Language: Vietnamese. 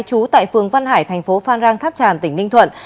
trú tại phường văn hải thành phố phan rang tháp tràm tỉnh ninh thuận